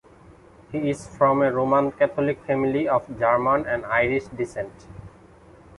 He is from a Roman Catholic family of German and Irish descent.